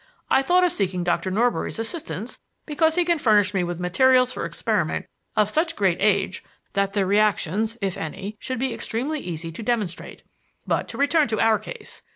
I thought of seeking Doctor Norbury's assistance because he can furnish me with materials for experiment of such great age that the reactions, if any, should be extremely easy to demonstrate. But to return to our case.